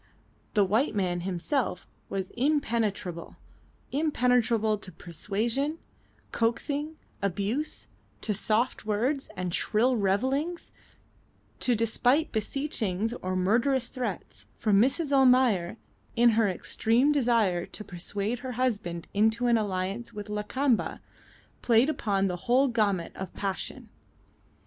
The white man himself was impenetrable impenetrable to persuasion, coaxing, abuse; to soft words and shrill revilings; to desperate beseechings or murderous threats; for Mrs. Almayer, in her extreme desire to persuade her husband into an alliance with Lakamba, played upon the whole gamut of passion.